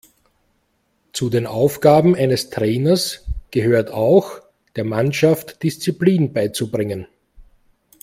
Zu den Aufgaben eines Trainers gehört auch, der Mannschaft Disziplin beizubringen.